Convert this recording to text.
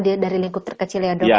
dari lingkup terkecil ya dok